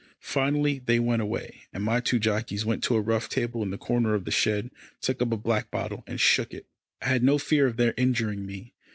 Finally they went away, and my two jockeys went to a rough table in the corner of the shed, took up a black bottle and shook it. I had no fear of their injuring me.